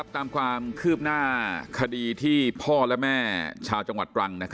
ตามความคืบหน้าคดีที่พ่อและแม่ชาวจังหวัดตรัง